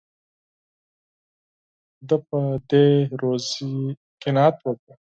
ده په دې روزي قناعت وکړ.